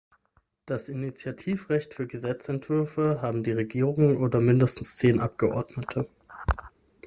Das Initiativrecht für Gesetzentwürfe haben die Regierung oder mindestens zehn Abgeordnete.